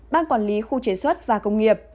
ban quản lý khu chế xuất và công nghiệp